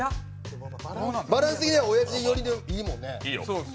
バランス的には、おやじ寄りいいもんね。